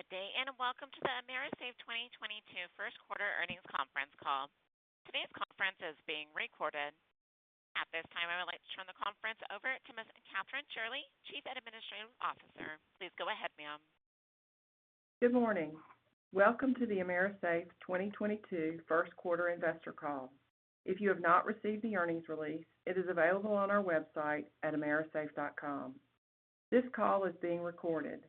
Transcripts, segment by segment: Good day, and welcome to the AMERISAFE 2022 first quarter earnings conference call. Today's conference is being recorded. At this time, I would like to turn the conference over to Miss Kathryn Shirley, Chief Administrative Officer. Please go ahead, ma'am. Good morning. Welcome to the AMERISAFE's 2022 first quarter investor call. If you have not received the earnings release, it is available on our website at amerisafe.com. This call is being recorded.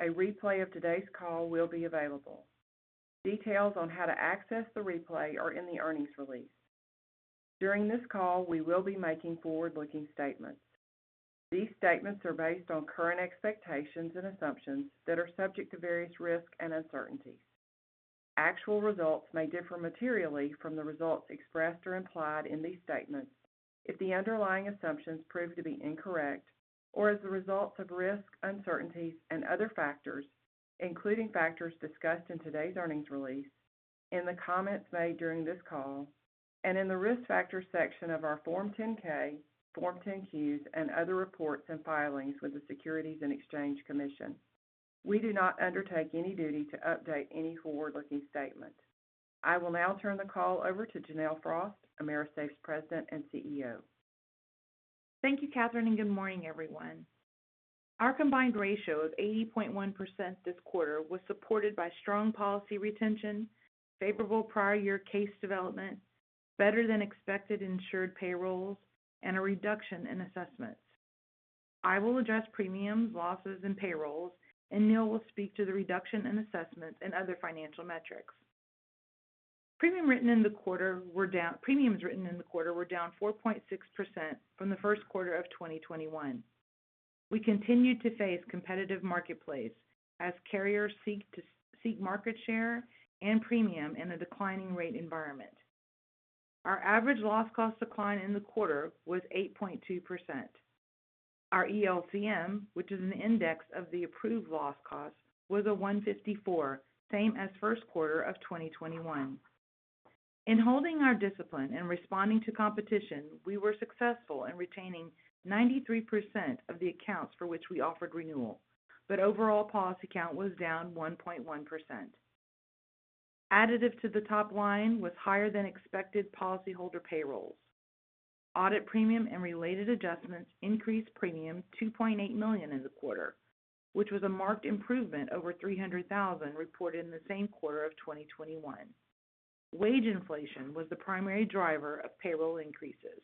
A replay of today's call will be available. Details on how to access the replay are in the earnings release. During this call, we will be making forward-looking statements. These statements are based on current expectations and assumptions that are subject to various risks and uncertainties. Actual results may differ materially from the results expressed or implied in these statements if the underlying assumptions prove to be incorrect or as a result of risks, uncertainties and other factors, including factors discussed in today's earnings release, in the comments made during this call, and in the Risk Factors section of our Form 10-K, Form 10-Qs, and other reports and filings with the Securities and Exchange Commission. We do not undertake any duty to update any forward-looking statement. I will now turn the call over to Janelle Frost, AMERISAFE's President and CEO. Thank you, Kathryn, and good morning, everyone. Our combined ratio of 80.1% this quarter was supported by strong policy retention, favorable prior year case development, better-than-expected insured payrolls, and a reduction in assessments. I will address premiums, losses, and payrolls, and Neal will speak to the reduction in assessments and other financial metrics. Premiums written in the quarter were down 4.6% from the first quarter of 2021. We continued to face a competitive marketplace as carriers seek market share and premium in a declining rate environment. Our average loss cost decline in the quarter was 8.2%. Our ELCM, which is an index of the approved loss cost, was 154, same as first quarter of 2021. In holding our discipline and responding to competition, we were successful in retaining 93% of the accounts for which we offered renewal, but overall policy count was down 1.1%. Additive to the top line was higher than expected policyholder payrolls. Audit premium and related adjustments increased premium $2.8 million in the quarter, which was a marked improvement over $300,000 reported in the same quarter of 2021. Wage inflation was the primary driver of payroll increases.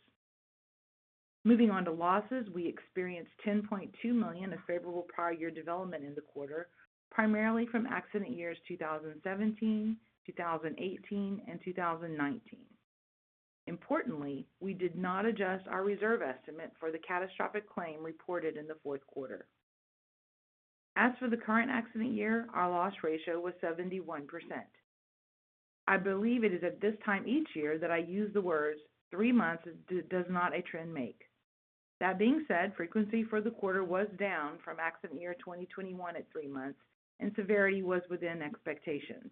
Moving on to losses, we experienced $10.2 million of favorable prior year development in the quarter, primarily from accident years 2017, 2018, and 2019. Importantly, we did not adjust our reserve estimate for the catastrophic claim reported in the fourth quarter. As for the current accident year, our loss ratio was 71%. I believe it is at this time each year that I use the words, "Three months does not a trend make." That being said, frequency for the quarter was down from accident year 2021 at three months, and severity was within expectations.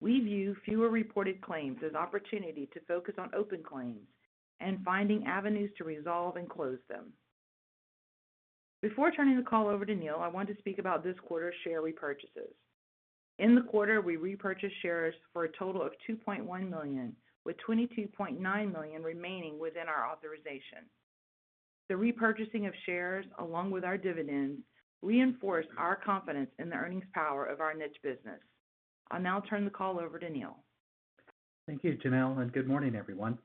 We view fewer reported claims as opportunity to focus on open claims and finding avenues to resolve and close them. Before turning the call over to Neal, I want to speak about this quarter's share repurchases. In the quarter, we repurchased shares for a total of $2.1 million, with $22.9 million remaining within our authorization. The repurchasing of shares, along with our dividends, reinforce our confidence in the earnings power of our niche business. I'll now turn the call over to Neal. Thank you, Janelle, and good morning, everyone.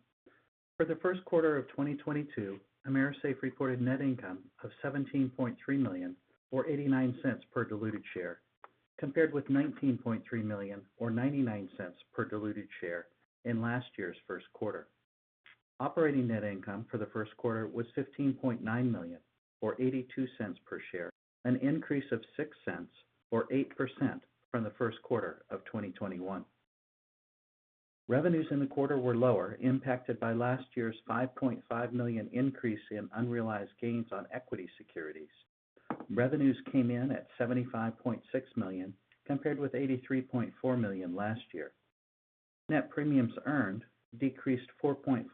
For the first quarter of 2022, AMERISAFE reported net income of $17.3 million, or $0.89 per diluted share, compared with $19.3 million or $0.99 per diluted share in last year's first quarter. Operating net income for the first quarter was $15.9 million or $0.82 per share, an increase of $0.06 or 8% from the first quarter of 2021. Revenues in the quarter were lower, impacted by last year's $5.5 million increase in unrealized gains on equity securities. Revenues came in at $75.6 million, compared with $83.4 million last year. Net premiums earned decreased 4.5%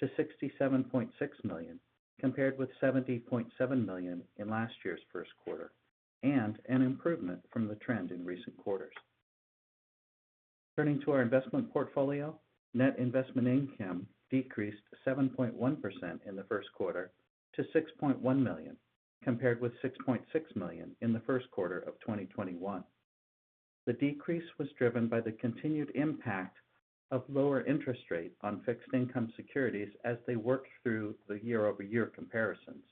to $67.6 million, compared with $70.7 million in last year's first quarter, and an improvement from the trend in recent quarters. Turning to our investment portfolio, net investment income decreased 7.1% in the first quarter to $6.1 million, compared with $6.6 million in the first quarter of 2021. The decrease was driven by the continued impact of lower interest rate on fixed income securities as they worked through the year-over-year comparisons.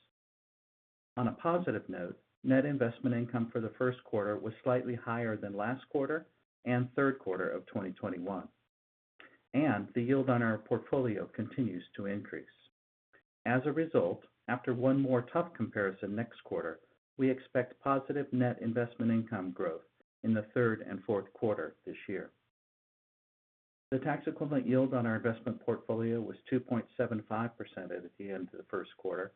On a positive note, net investment income for the first quarter was slightly higher than last quarter and third quarter of 2021, and the yield on our portfolio continues to increase. As a result, after one more tough comparison next quarter, we expect positive net investment income growth in the third and fourth quarter this year. The tax equivalent yield on our investment portfolio was 2.75% at the end of the first quarter.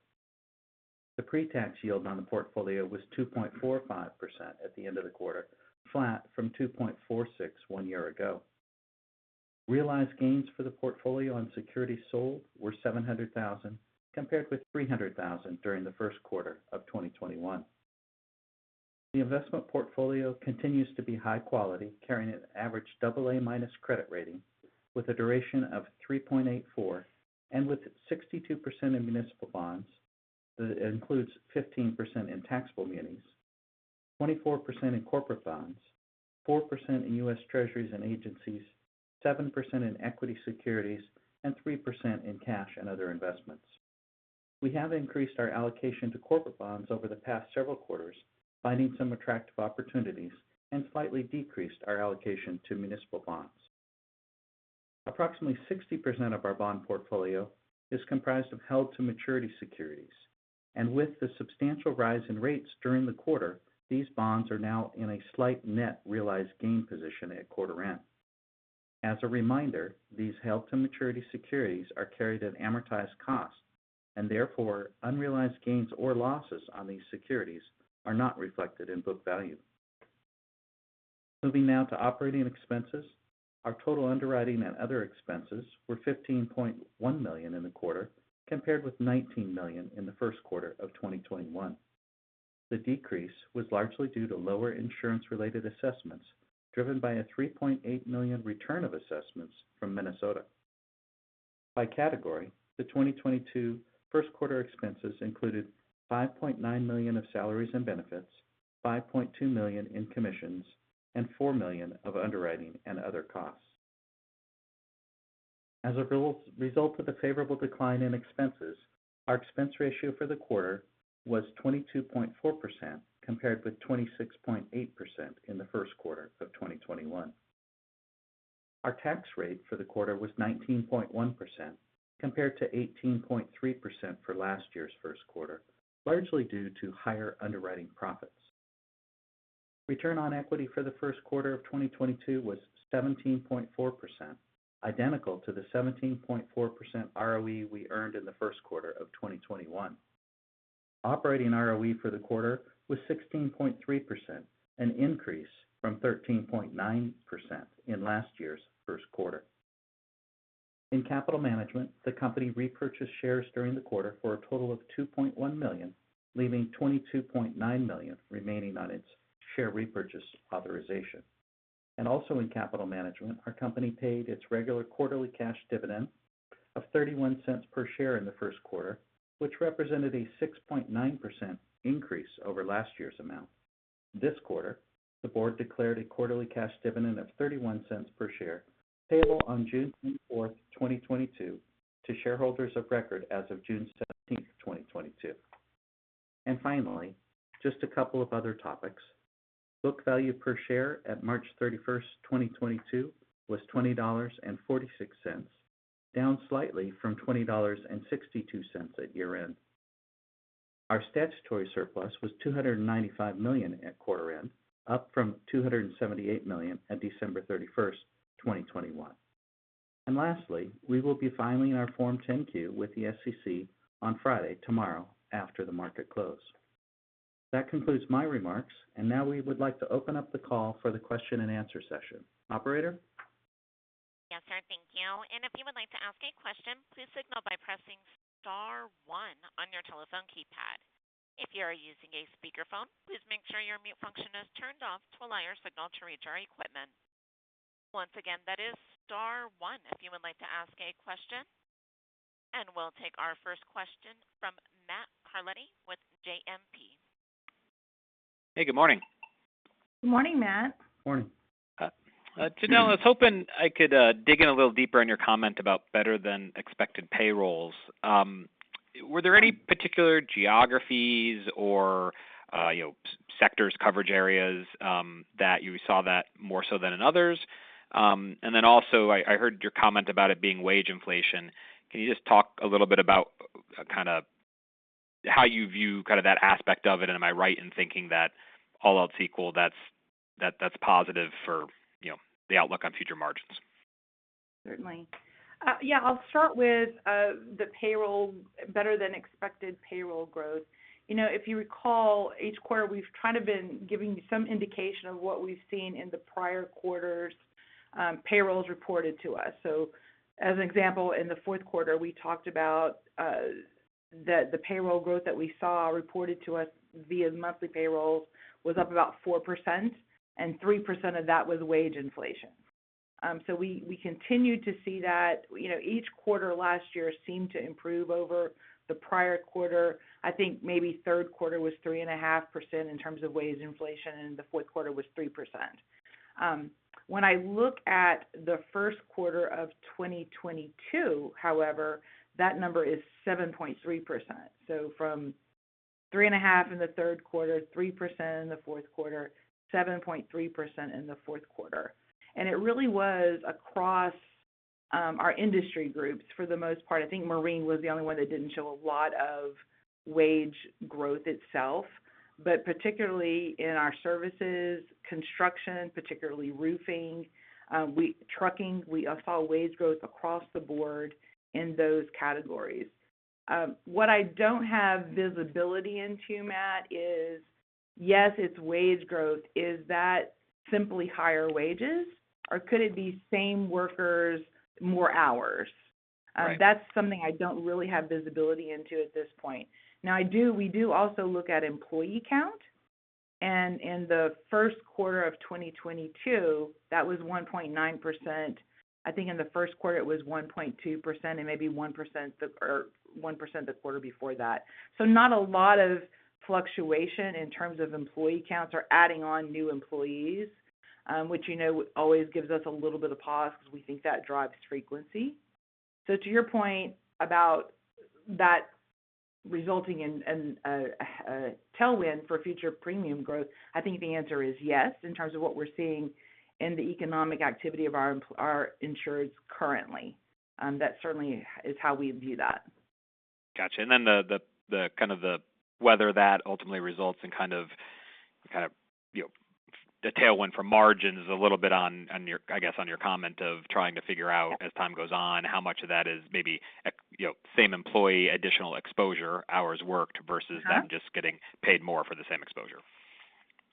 The pre-tax yield on the portfolio was 2.45% at the end of the quarter, flat from 2.46% one year ago. Realized gains for the portfolio and securities sold were $700,000, compared with $300,000 during the first quarter of 2021. The investment portfolio continues to be high quality, carrying an average AA- credit rating with a duration of 3.84 years, and with 62% in municipal bonds. That includes 15% in taxable munis, 24% in corporate bonds, 4% in US Treasuries and agencies, 7% in equity securities, and 3% in cash and other investments. We have increased our allocation to corporate bonds over the past several quarters, finding some attractive opportunities, and slightly decreased our allocation to municipal bonds. Approximately 60% of our bond portfolio is comprised of held to maturity securities. With the substantial rise in rates during the quarter, these bonds are now in a slight net realized gain position at quarter end. As a reminder, these held to maturity securities are carried at amortized cost, and therefore unrealized gains or losses on these securities are not reflected in book value. Moving now to operating expenses. Our total underwriting and other expenses were $15.1 million in the quarter, compared with $19 million in the first quarter of 2021. The decrease was largely due to lower insurance related assessments, driven by a $3.8 million return of assessments from Minnesota. By category, the 2022 first quarter expenses included $5.9 million of salaries and benefits, $5.2 million in commissions, and $4 million of underwriting and other costs. As a result of the favorable decline in expenses, our expense ratio for the quarter was 22.4%, compared with 26.8% in the first quarter of 2021. Our tax rate for the quarter was 19.1% compared to 18.3% for last year's first quarter, largely due to higher underwriting profits. Return on equity for the first quarter of 2022 was 17.4%, identical to the 17.4% ROE we earned in the first quarter of 2021. Operating ROE for the quarter was 16.3%, an increase from 13.9% in last year's first quarter. In capital management, the company repurchased shares during the quarter for a total of $2.1 million, leaving $22.9 million remaining on its share repurchase authorization. Also in capital management, our company paid its regular quarterly cash dividend of $0.31 per share in the first quarter, which represented a 6.9% increase over last year's amount. This quarter, the board declared a quarterly cash dividend of $0.31 per share, payable on June 24, 2022 to shareholders of record as of June 17, 2022. Finally, just a couple of other topics. Book value per share at March 31, 2022 was $20.46, down slightly from $20.62 at year-end. Our statutory surplus was $295 million at quarter end, up from $278 million at December 31, 2021. Lastly, we will be filing our Form 10-Q with the SEC on Friday, tomorrow, after the market close. That concludes my remarks. Now we would like to open up the call for the question and answer session. Operator? Yes, sir. Thank you. If you would like to ask a question, please signal by pressing star one on your telephone keypad. If you are using a speakerphone, please make sure your mute function is turned off to allow your signal to reach our equipment. Once again, that is star one if you would like to ask a question. We'll take our first question from Matt Carletti with JMP. Hey, good morning. Good morning, Matt. Morning. Janelle, I was hoping I could dig in a little deeper into your comment about better than expected payrolls. Were there any particular geographies or you know, sectors, coverage areas that you saw that more so than in others? I heard your comment about it being wage inflation. Can you just talk a little bit about kind of how you view kind of that aspect of it? Am I right in thinking that all else equal, that's positive for you know, the outlook on future margins? Certainly. Yeah, I'll start with the payroll, better than expected payroll growth. You know, if you recall, each quarter we've kind of been giving some indication of what we've seen in the prior quarters' payrolls reported to us. As an example, in the fourth quarter, we talked about the payroll growth that we saw reported to us via monthly payrolls was up about 4%, and 3% of that was wage inflation. We continued to see that, you know, each quarter last year seemed to improve over the prior quarter. I think maybe third quarter was 3.5% in terms of wage inflation, and the fourth quarter was 3%. When I look at the first quarter of 2022, however, that number is 7.3%. From 3.5% in the third quarter, 3% in the fourth quarter, 7.3% in the fourth quarter. It really was across our industry groups for the most part. I think Marine was the only one that didn't show a lot of wage growth itself. But particularly in our services, construction, particularly roofing, trucking, we saw wage growth across the board in those categories. What I don't have visibility into, Matt, is, yes, it's wage growth. Is that simply higher wages, or could it be same workers, more hours? Right. That's something I don't really have visibility into at this point. We do also look at employee count, and in the first quarter of 2022, that was 1.9%. I think in the first quarter it was 1.2% and maybe 1% or 1% the quarter before that. Not a lot of fluctuation in terms of employee counts or adding on new employees, which, you know, always gives us a little bit of pause because we think that drives frequency. To your point about that resulting in a tailwind for future premium growth, I think the answer is yes in terms of what we're seeing in the economic activity of our insureds currently. That certainly is how we view that. Got you. Whether that ultimately results in kind of, you know, a tailwind from margins a little bit on your, I guess, on your comment of trying to figure out. Yeah. As time goes on, how much of that is maybe you know, same employee, additional exposure, hours worked versus. Uh-huh. Them just getting paid more for the same exposure.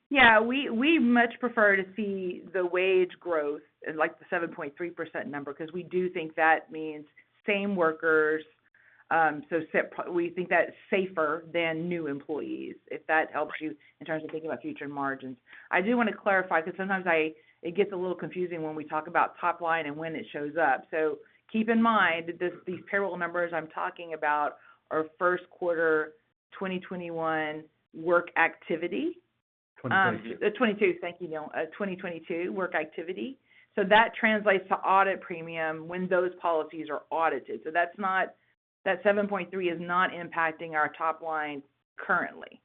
Yeah. We much prefer to see the wage growth in like the 7.3% number because we do think that means same workers. We think that's safer than new employees, if that helps you in terms of thinking about future margins. I do want to clarify because sometimes it gets a little confusing when we talk about top line and when it shows up. Keep in mind that these payroll numbers I'm talking about are first quarter 2021 work activity. 2022. 2022. Thank you, Neal. 2022 work activity that translates to audit premium when those policies are audited. That 7.3% is not impacting our top line currently.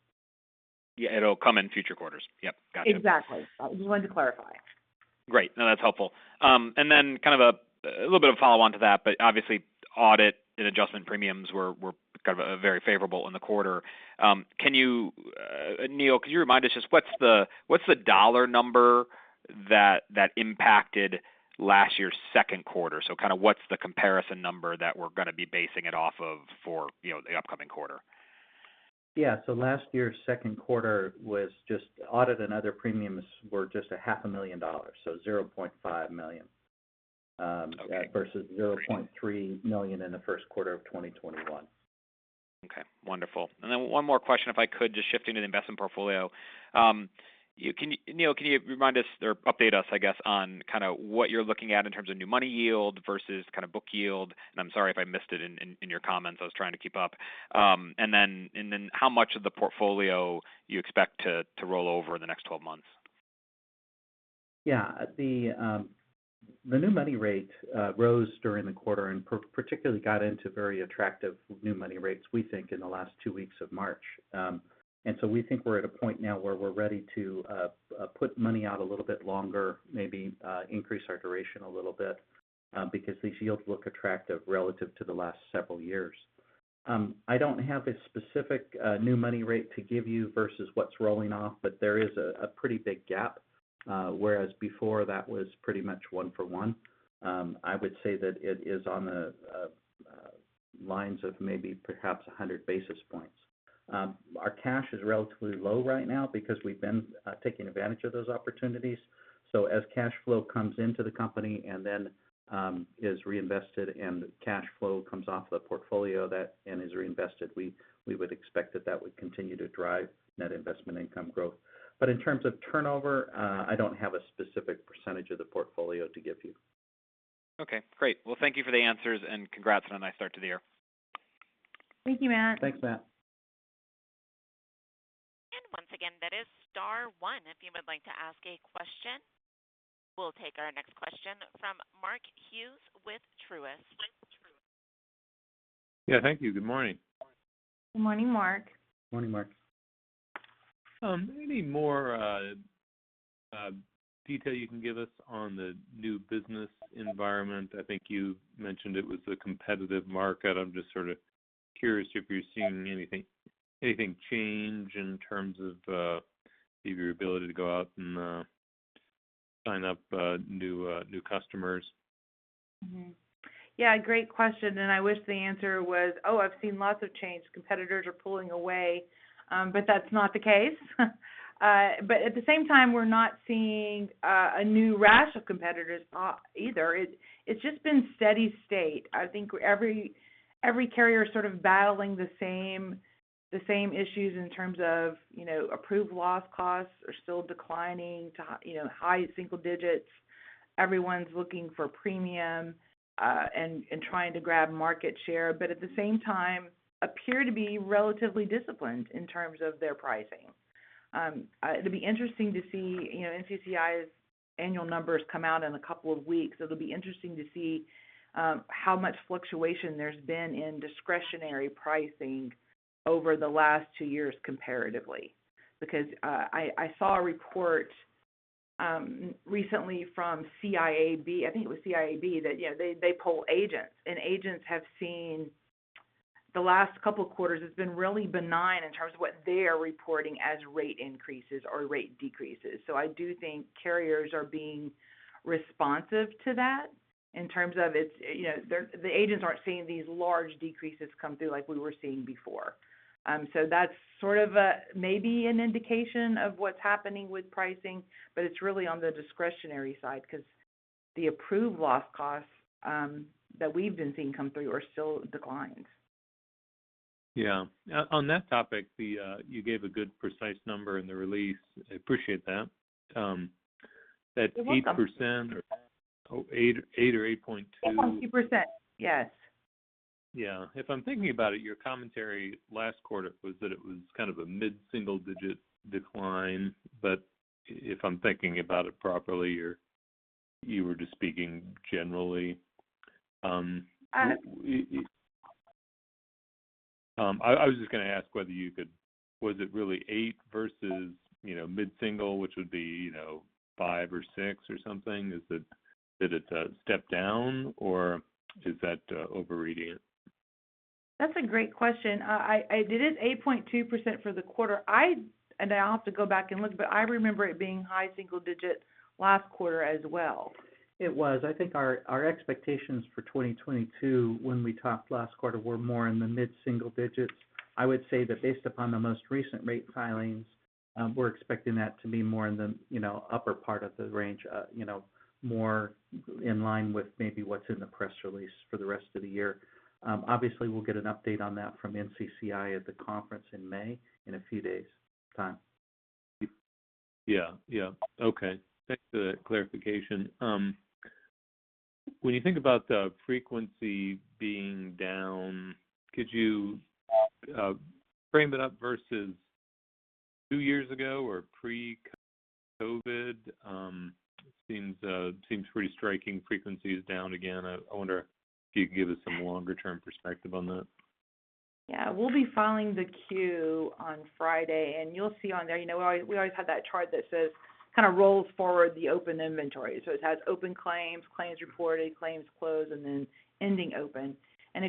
Yeah, it'll come in future quarters. Yep. Got you. Exactly. Wanted to clarify. Great. No, that's helpful. Then kind of a little bit of a follow-on to that, but obviously audit and adjustment premiums were kind of very favorable in the quarter. Neal, could you remind us just what's the dollar number that impacted last year's second quarter? So kind of what's the comparison number that we're gonna be basing it off of for the upcoming quarter? Last year's second quarter audit and other premiums were just a half a million dollars, so $0.5 million. Okay. Versus $0.3 million in the first quarter of 2021. Okay. Wonderful. Then one more question, if I could, just shifting to the investment portfolio. Neal, can you remind us or update us, I guess, on kind of what you're looking at in terms of new money yield versus kind of book yield? I'm sorry if I missed it in your comments. I was trying to keep up. Then how much of the portfolio you expect to roll over the next 12 months? Yeah. The new money rate rose during the quarter and particularly got into very attractive new money rates, we think, in the last two weeks of March. We think we're at a point now where we're ready to put money out a little bit longer, maybe, increase our duration a little bit, because these yields look attractive relative to the last several years. I don't have a specific new money rate to give you versus what's rolling off, but there is a pretty big gap, whereas before that was pretty much one for one. I would say that it is on the lines of maybe perhaps 100 basis points. Our cash is relatively low right now because we've been taking advantage of those opportunities. As cash flow comes into the company and then is reinvested and cash flow comes off the portfolio and is reinvested, we would expect that would continue to drive net investment income growth. In terms of turnover, I don't have a specific percentage of the portfolio to give you. Okay, great. Well, thank you for the answers, and congrats on a nice start to the year. Thank you, Matt. Thanks, Matt. Once again, that is star one if you would like to ask a question. We'll take our next question from Mark Hughes with Truist. Yeah. Thank you. Good morning. Good morning, Mark. Morning, Mark. Any more detail you can give us on the new business environment? I think you mentioned it was a competitive market. I'm just sort of curious if you're seeing anything change in terms of maybe your ability to go out and sign up new customers. Mm-hmm. Yeah, great question, and I wish the answer was, "Oh, I've seen lots of change. Competitors are pulling away." That's not the case. At the same time, we're not seeing a new rash of competitors either. It's just been steady state. I think every carrier is sort of battling the same issues in terms of, you know, approved loss costs are still declining to, you know, high single digits dollar. Everyone's looking for premium and trying to grab market share, but at the same time appear to be relatively disciplined in terms of their pricing. It'll be interesting to see, you know, NCCI's annual numbers come out in a couple of weeks. It'll be interesting to see how much fluctuation there's been in discretionary pricing over the last two years comparatively. Because I saw a report recently from CIAB. I think it was CIAB that you know they poll agents, and agents have seen the last couple of quarters has been really benign in terms of what they are reporting as rate increases or rate decreases. I do think carriers are being responsive to that. In terms of, you know, the agents aren't seeing these large decreases come through like we were seeing before. That's sort of a maybe an indication of what's happening with pricing, but it's really on the discretionary side 'cause the approved loss costs that we've been seeing come through are still declines. Yeah. On that topic, you gave a good precise number in the release. I appreciate that. You're welcome. 8% or 0.88% or 8.2%. 8.2%. Yes. Yeah. If I'm thinking about it, your commentary last quarter was that it was kind of a mid-single digit decline. But if I'm thinking about it properly, you were just speaking generally. Uh. I was just gonna ask. Was it really 8% versus, you know, mid-single, which would be, you know, 5% or 6% or something? Did it step down, or is that overreading it? That's a great question. I did it 8.2% for the quarter. I'll have to go back and look, but I remember it being high single digit last quarter as well. It was. I think our expectations for 2022 when we talked last quarter were more in the mid-single digits. I would say that based upon the most recent rate filings, we're expecting that to be more in the, you know, upper part of the range, you know, more in line with maybe what's in the press release for the rest of the year. Obviously, we'll get an update on that from NCCI at the conference in May in a few days' time. Yeah, yeah. Okay. Thanks for that clarification. When you think about the frequency being down, could you frame it up versus two years ago or pre-COVID? Seems pretty striking. Frequency is down again. I wonder if you could give us some longer-term perspective on that. Yeah. We'll be filing the Q on Friday, and you'll see on there, we always have that chart that says kind of rolls forward the open inventory. It has open claims reported, claims closed, and then ending open.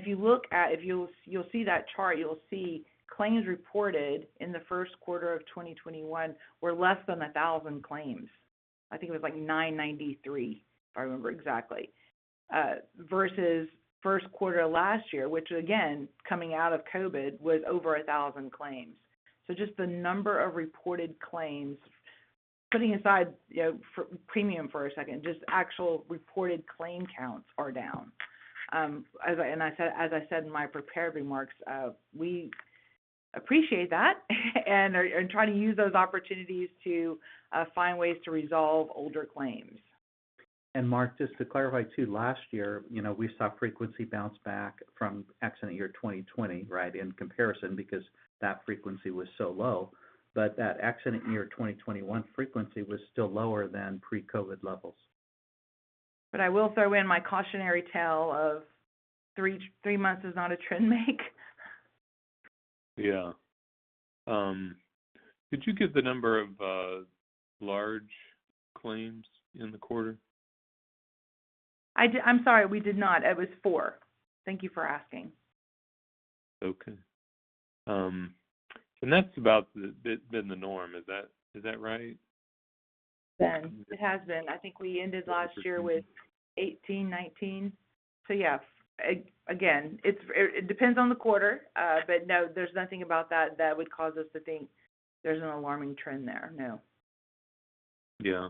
You'll see that chart, you'll see claims reported in the first quarter of 2021 were less than 1,000 claims. I think it was like 993, if I remember exactly. Versus first quarter last year, which again, coming out of COVID, was over 1,000 claims. Just the number of reported claims, putting aside for premium for a second, just actual reported claim counts are down. As I. I said, as I said in my prepared remarks, we appreciate that and are trying to use those opportunities to find ways to resolve older claims. Mark, just to clarify, too, last year, you know, we saw frequency bounce back from accident year 2020, right, in comparison because that frequency was so low. That accident year 2021 frequency was still lower than pre-COVID levels. I will throw in my cautionary tale of three months is not a trend make. Yeah. Could you give the number of large claims in the quarter? I'm sorry, we did not. It was four. Thank you for asking. Okay. That's been the norm. Is that right? Yes. It has been. I think we ended last year with 18, 19. Yeah. Again, it depends on the quarter. No, there's nothing about that that would cause us to think there's an alarming trend there, no. Yeah.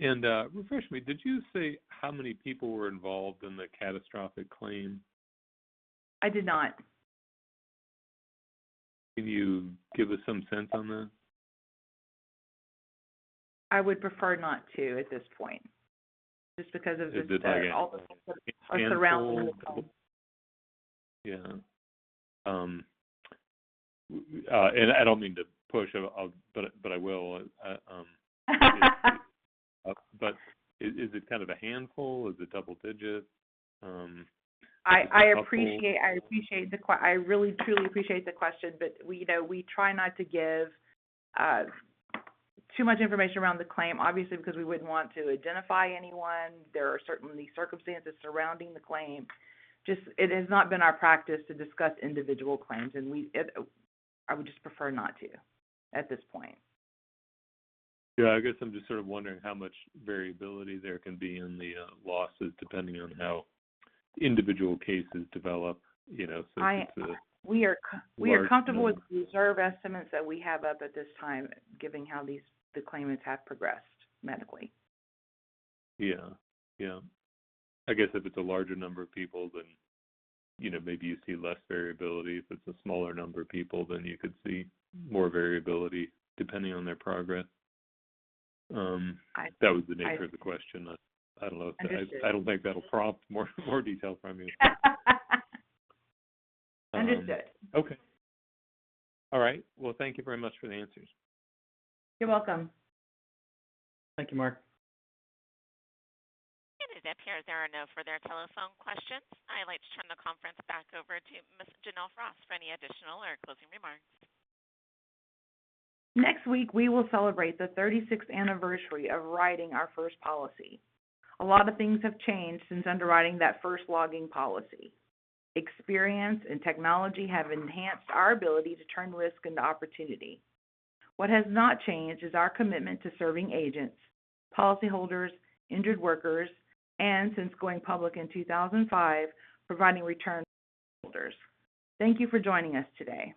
Refresh me. Did you say how many people were involved in the catastrophic claim? I did not. Can you give us some sense on that? I would prefer not to at this point just because of the. Is it like? All the surrounding results. Yeah. I don't mean to push. I will. Is it kind of a handful? Is it double digits? If that's helpful. I really truly appreciate the question, but we try not to give too much information around the claim, obviously because we wouldn't want to identify anyone. There are certainly circumstances surrounding the claim. It has not been our practice to discuss individual claims, and I would just prefer not to at this point. Yeah. I guess I'm just sort of wondering how much variability there can be in the losses depending on how individual cases develop, you know, so if it's a large. We are comfortable with the reserve estimates that we have up at this time given how these the claimants have progressed medically. Yeah. I guess if it's a larger number of people then, you know, maybe you see less variability. If it's a smaller number of people, then you could see more variability depending on their progress. I. That was the nature of the question. I don't know if. Understood. I don't think that'll prompt more detail from you. Understood. Okay. All right. Well, thank you very much for the answers. You're welcome. Thank you, Mark. It appears there are no further telephone questions. I'd like to turn the conference back over to Ms. Janelle Frost for any additional or closing remarks. Next week, we will celebrate the 36th anniversary of writing our first policy. A lot of things have changed since underwriting that first logging policy. Experience and technology have enhanced our ability to turn risk into opportunity. What has not changed is our commitment to serving agents, policyholders, injured workers, and since going public in 2005, providing returns to shareholders. Thank you for joining us today.